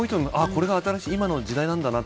これが新しい今の時代なんだな。